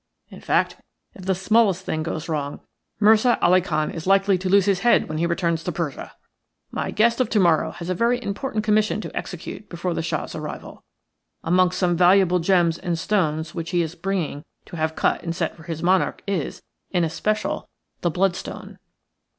In fact, if the smallest thing goes wrong Mirza Ali Khan is likely to lose his head when he returns to Persia. My guest of to morrow has a very important commission to execute before the Shah's arrival. Amongst some valuable gems and stones which he is bringing to have cut and set for his monarch is, in especial, the bloodstone."